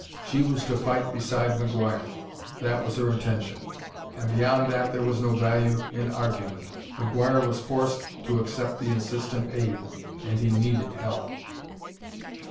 She was to fight beside McGuire that was her intention and beyond that there was no value in argument. McGuire was forced to accept the insistent aid, and he needed help.